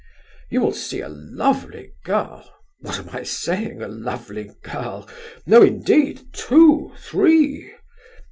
You will see a lovely girl—what am I saying—a lovely girl? No, indeed, two, three!